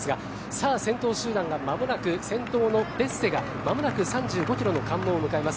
さあ、先頭集団が間もなく先頭のデッセが間もなく３５キロの関門を迎えます。